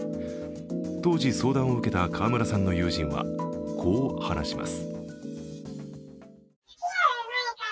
当時、相談を受けた川村さんの友人は、こう話します。